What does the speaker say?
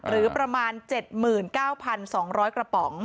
หรือประมาณ๗๙๒๐๐กระป๋อง